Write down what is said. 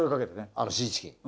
あのシーチキン。